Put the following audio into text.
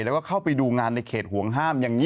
แล้วก็เข้าไปดูงานในเขตห่วงห้ามอย่างนี้